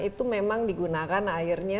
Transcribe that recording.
itu memang digunakan akhirnya